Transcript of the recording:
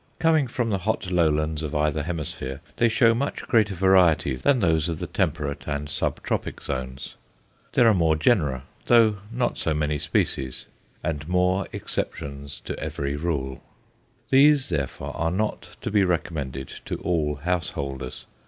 Coming from the hot lowlands of either hemisphere, they show much greater variety than those of the temperate and sub tropic zones; there are more genera, though not so many species, and more exceptions to every rule. These, therefore, are not to be recommended to all householders.